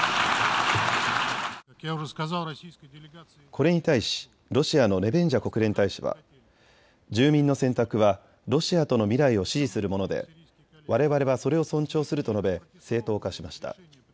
これに対しロシアのネベンジャ国連大使は住民の選択はロシアとの未来を支持するものでわれわれはそれを尊重すると述べ正当化しました。